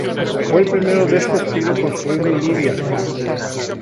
Fue el primero de este estilo construido en Libia.